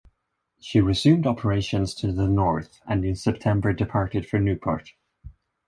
She resumed operations to the north, and in September departed for Newport.